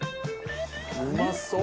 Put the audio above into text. うまそう！